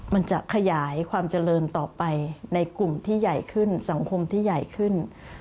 มันจะขยายความเจริญต่อไปในกลุ่มที่ใหญ่ขึ้นสังคมที่ใหญ่ขึ้น